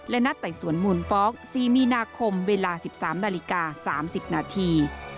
และนัดไต่สวนมูลฟ้อง๔มีนาคมเวลา๑๓นาฬิกา๓๐นาที